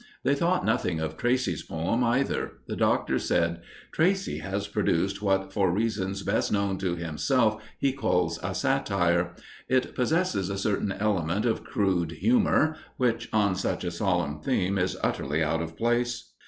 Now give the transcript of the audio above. They thought nothing of Tracey's poem, either. The Doctor said: "Tracey has produced what, for reasons best known to himself, he calls 'a satire.' It possesses a certain element of crude humour, which, on such a solemn theme, is utterly out of place.